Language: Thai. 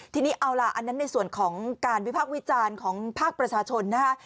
ทีนี้เอาล่ะอันนั้นในส่วนของการวิพากษ์วิจารณ์ของภาคประชาชนนะคะ